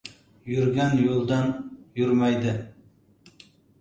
— Yurgan yo‘ldan yurmaydi